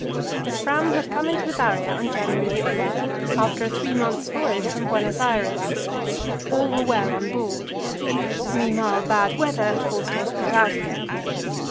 The Franz had come in to the Barrier on January 8, after a three months' voyage from Buenos Aires; all were well on board. Meanwhile, bad weather had forced her to put out again.